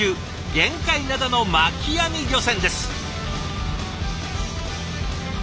玄界灘の巻き網漁船です。